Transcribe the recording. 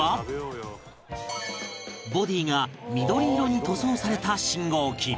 ボディーが緑色に塗装された信号機